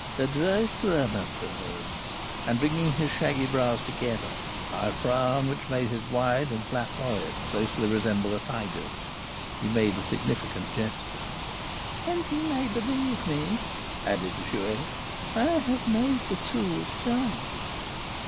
"Advice to amateurs!" And bringing his shaggy brows together, by a frown which made his wide and flat forehead closely resemble a tiger's, he made a significant gesture. "And you may believe me," added the Chouette, "I have made the tool sharp."